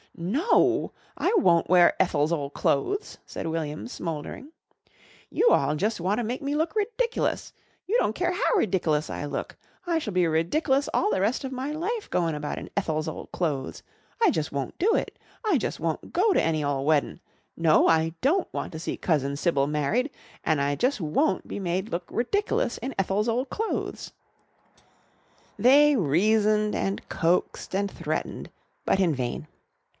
"No, I won't wear Ethel's ole clothes," said William smouldering. "You all jus' want to make me look ridiclus. You don't care how ridiclus I look. I shall be ridiclus all the rest of my life goin' about in Ethel's ole clothes. I jus' won't do it. I jus' won't go to any ole weddin'. No, I don't want to see Cousin Sybil married, an' I jus' won't be made look ridiclus in Ethel's ole clothes." They reasoned and coaxed and threatened, but in vain.